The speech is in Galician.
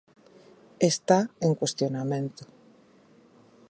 Está en cuestionamento.